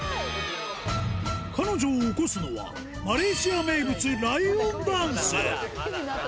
彼女を起こすのは、マレーシア名物、ライオンダンス。